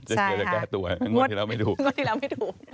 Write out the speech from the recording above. เจ๊เกียวจะแก้ตัวงวดทีแล้วไม่ถูก